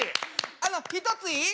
あの一ついい？